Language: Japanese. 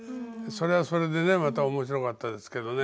それはそれでねまた面白かったですけどね。